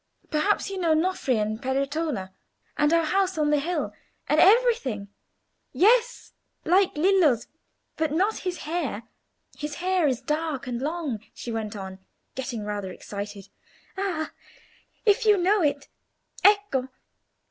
"Perhaps you know Nofri and Peretola, and our house on the hill, and everything. Yes, like Lillo's; but not his hair. His hair is dark and long—" she went on, getting rather excited. "Ah! if you know it, ecco!"